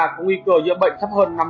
có nguy cơ nhiễm bệnh thấp hơn năm mươi